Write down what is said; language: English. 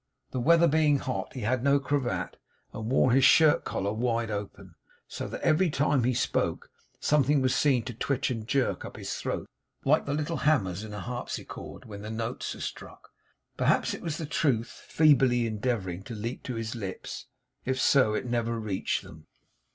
The weather being hot, he had no cravat, and wore his shirt collar wide open; so that every time he spoke something was seen to twitch and jerk up in his throat, like the little hammers in a harpsichord when the notes are struck. Perhaps it was the Truth feebly endeavouring to leap to his lips. If so, it never reached them.